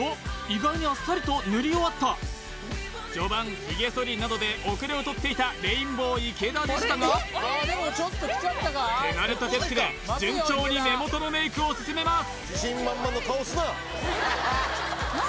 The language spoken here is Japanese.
意外にあっさりと塗り終わった序盤ヒゲそりなどで遅れをとっていたレインボー池田でしたが手慣れた手つきで順調に目元のメイクを進めます